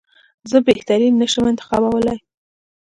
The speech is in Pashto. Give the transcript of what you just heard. زه بهترین نه شم انتخابولای.